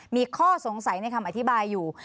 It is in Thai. มีข้อสงสัยในคำอธิบายอยู่